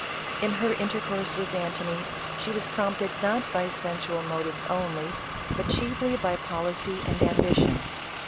In her intercourse with Antony, c was prompted not by sensual motives only, but tly by policy and ambition.